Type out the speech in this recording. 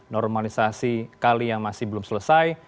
normalisasi kali yang masih belum selesai